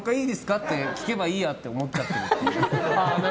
って聞けばいいやって思っちゃってる。